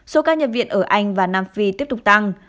số ca nhập viện ở anh và nam phi tiếp tục tăng